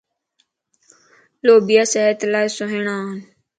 لوبيا صحت لا سھڻان